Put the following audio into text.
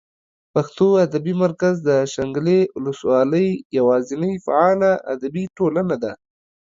پښتو ادبي مرکز د شانګلې اولس والۍ یواځینۍ فعاله ادبي ټولنه ده